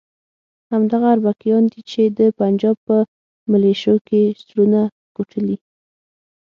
همدغه اربکیان دي چې د پنجاب په ملیشو کې زړونه کوټلي.